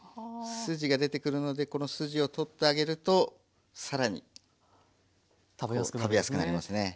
筋が出てくるのでこの筋を取ってあげると更に食べやすくなりますね。